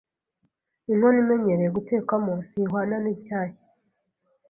inkono imenyereye gutekwamo, ntihwana n’inshyashya